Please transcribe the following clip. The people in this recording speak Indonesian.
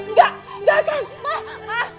tidak tidak akan